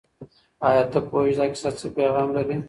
آیا ته پوهېږې چې دا کیسه څه پیغام لري؟